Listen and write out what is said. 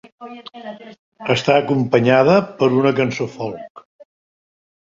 Està acompanyada per una cançó folk.